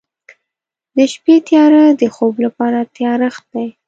د شپې تیاره د خوب لپاره تیارښت دی.